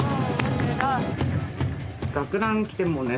学ラン着てもうね